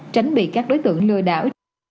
tránh bị các đối tượng lừa đảo